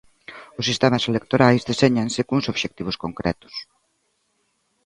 Os sistemas electorais deséñanse cuns obxectivos concretos.